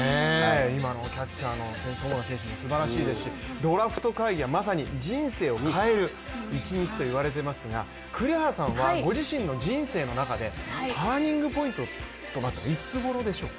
今のキャッチャーの友田選手もすばらしいですし、ドラフト会議はまさに人生を変える一日といわれていますが、栗原さんはご自身の人生の中でターニングポイントはいつごろでしょうか？